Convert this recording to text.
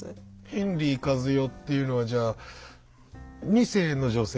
ヘンリーカズヨっていうのはじゃあ２世の女性？